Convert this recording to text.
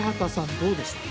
どうでしたか？